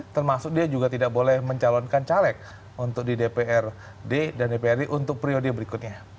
termasuk dia juga tidak boleh mencalonkan caleg untuk di dprd dan dprd untuk periode berikutnya